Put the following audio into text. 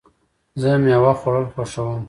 زه مېوه خوړل خوښوم.